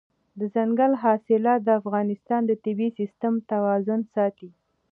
دځنګل حاصلات د افغانستان د طبعي سیسټم توازن ساتي.